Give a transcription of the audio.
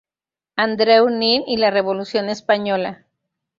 Andreu Nin y la revolución española".